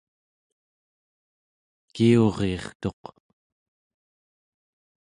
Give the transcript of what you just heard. kiuryirtuq